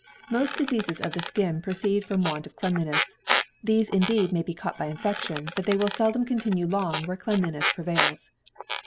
Most diseases of the skin proceedfrom want of cleanliness. These indeed may be caught by infection, but they will seldom continue long where cleanliness prevails.